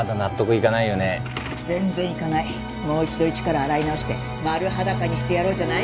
もう一度一から洗い直してマル裸にしてやろうじゃない。